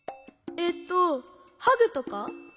えっとハグとか？